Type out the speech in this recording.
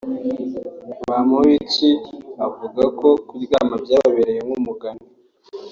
Bamporiki avuga ko kuryama byababereye nk’umugani